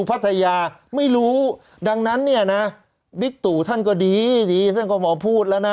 พัทยาไม่รู้ดังนั้นเนี่ยนะบิ๊กตู่ท่านก็ดีดีท่านก็มาพูดแล้วนะ